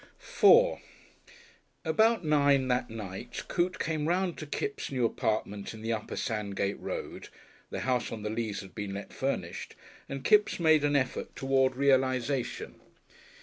§4 About nine that night Coote came around to Kipps' new apartment in the Upper Sandgate Road the house on the Leas had been let furnished and Kipps made an effort toward realisation.